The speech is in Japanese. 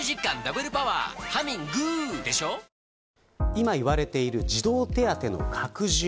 今言われている児童手当の拡充。